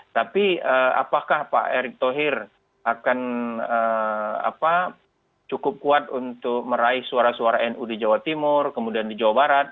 tapi apakah pak erick thohir akan cukup kuat untuk meraih suara suara nu di jawa timur kemudian di jawa barat